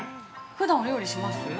◆ふだんお料理します？